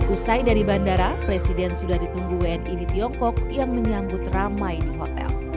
usai dari bandara presiden sudah ditunggu wni di tiongkok yang menyambut ramai di hotel